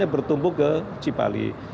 berhubung ke cipali